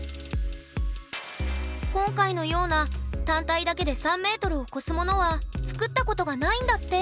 今回のような単体だけで３ｍを超すものは作ったことがないんだって。